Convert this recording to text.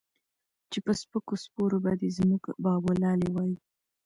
چې پۀ سپکو سپورو به دے زمونږ بابولالې وائي